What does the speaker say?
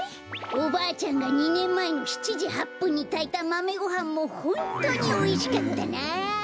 おばあちゃんが２ねんまえの７じ８ぷんにたいたマメごはんもホントにおいしかったなあ。